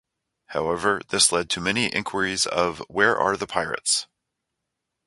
However, this led to many inquiries of Where are the pirates?